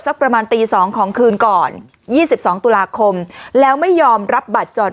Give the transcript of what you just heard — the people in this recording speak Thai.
ประมาณตี๒ของคืนก่อน๒๒ตุลาคมแล้วไม่ยอมรับบัตรจอด